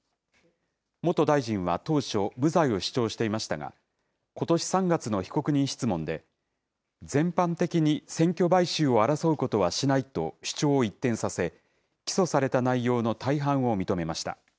元大臣は当初、無罪を主張していましたが、ことし３月の被告人質問で、全般的に選挙買収を争うことはしないと主張を一転させ、起訴された内容の大半を認めました。